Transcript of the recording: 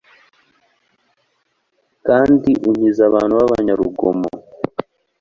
kandi unkiza abantu b'abanyarugomo